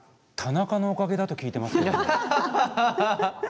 田中のおかげだと聞いています。